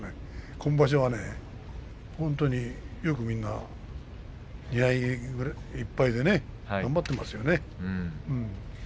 今場所は本当によくみんな２敗、１敗で頑張ってますよね。